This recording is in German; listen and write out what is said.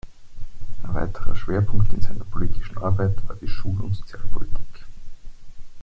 Ein weiterer Schwerpunkt in seiner politischen Arbeit war die Schul- und Sozialpolitik.